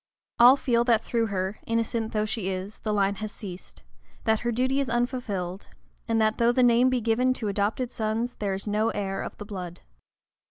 All feel that through her, innocent though she is, the line has ceased; that her duty is unfulfilled; and that, though the name be given to adopted sons, there is no heir of the blood.